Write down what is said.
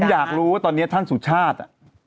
อยากรู้ว่าตอนนี้ท่านสุชาติ